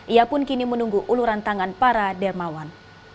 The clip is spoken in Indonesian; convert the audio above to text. ia pun kini menunggu uluran tangan para dermawan